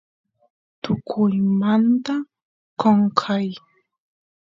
tukuymamnta qonqay